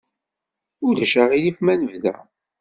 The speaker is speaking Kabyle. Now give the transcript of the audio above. Ulac aɣilif ma nebda?